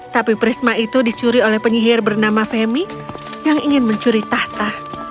tapi prisma itu dicuri oleh penyihir bernama femi yang ingin mencuri tahta